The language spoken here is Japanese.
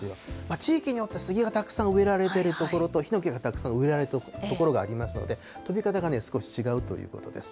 地域によってスギはたくさん植えられている所と、ヒノキがたくさん植えられている所がありますので、飛び方が少し違うということです。